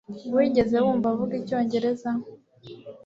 Wigeze wumva avuga icyongereza?